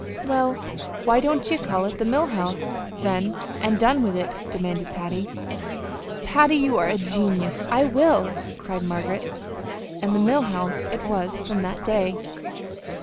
"Well, why don't ye call it the 'Mill House,' then, an' done with it?" demanded Patty. "Patty, you're a genius! I will," cried Margaret. And the "Mill House" it was from that day.